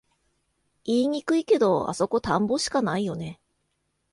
言いにくいけど、あそこ田んぼしかないよね